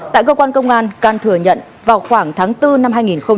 tại cơ quan công an can thừa nhận vào khoảng tháng bốn năm hai nghìn hai mươi